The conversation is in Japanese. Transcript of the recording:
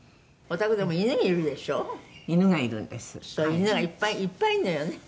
犬がいっぱいいっぱいいるのよね」